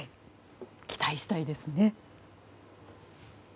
期待したいですね。